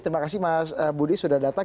terima kasih mas budi sudah datang